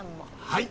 はい！